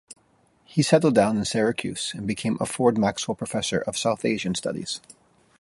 He settled down in Syracuse and became Ford-Maxwell Professor of South Asian Studies.